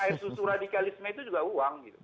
air susu radikalisme itu juga uang gitu